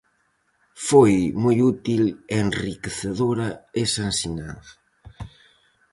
Foi moi útil e enriquecedora esa ensinanza.